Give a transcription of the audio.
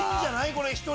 これ一人。